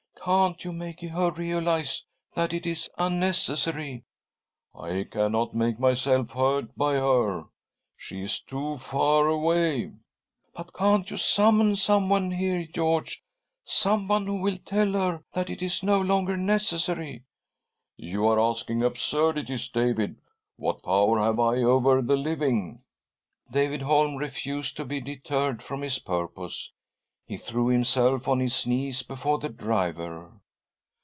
Can't you make her realise that it. is unnecessary?" "I cannot make myself heard by her— she is too far away." " But can't you summon someone here, George —someone who will tell her that it is no longer necessary? " "You are asking absurdities, David. What power have I over the living ?" David Holm refused to be deterred from his purpose. He threw himself on his knees before the driver.